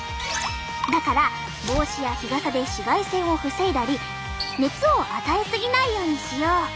だから帽子や日傘で紫外線を防いだり熱を与えすぎないようにしよう。